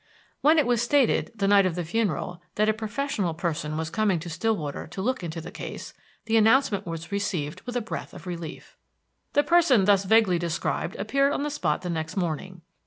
When it was stated, the night of the funeral, that a professional person was coming to Stillwater to look into the case, the announcement was received with a breath of relief. The person thus vaguely described appeared on the spot the next morning.